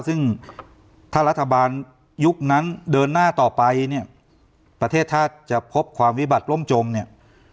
ซึ่งถ้ารัฐบาลยุคนั้นเดินหน้าต่อไปเนี่ยประเทศถ้าจะพบความวิบัติล่มจมเนี่ย